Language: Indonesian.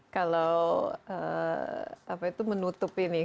kalau apa itu menutup ini